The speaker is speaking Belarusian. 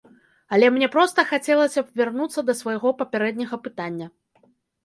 Але мне проста хацелася б вярнуцца да свайго папярэдняга пытання.